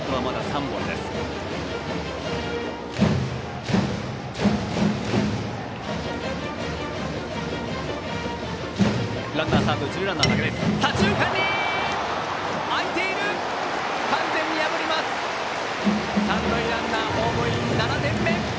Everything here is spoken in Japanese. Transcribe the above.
三塁ランナー、ホームイン７点目。